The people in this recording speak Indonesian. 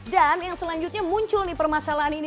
dan yang selanjutnya muncul nih permasalahan ini